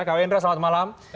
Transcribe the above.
kawendra selamat malam